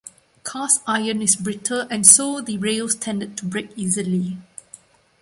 Cast iron is brittle and so the rails tended to break easily.